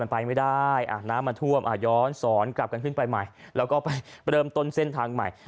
มันไปไม่ได้อ่ะน้ำมาท่วมย้อนสอนกลับกันขึ้นไปใหม่แล้วก็ไปเริ่มต้นเส้นทางใหม่